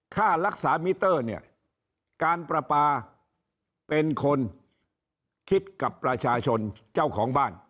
ค่ารักษามิเตอร์เนี่ยการประปาเป็นคนคิดกับประชาชนเจ้าของบ้าน